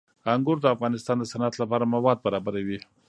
انګور د افغانستان د صنعت لپاره مواد برابروي.